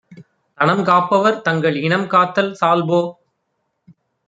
தனம்காப் பவர்தங்கள் இனம்காத்தல் சால்போ?